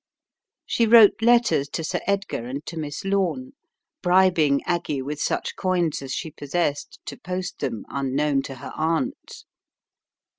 She wrote letters to Sir Edgar and to Miss Lome, The Cry in (he Night 75 bribing Aggie with such coins as she possessed to post them, unknown to her aunt.